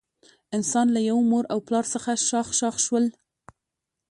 انسانان له یوه مور او پلار څخه شاخ شاخ شول.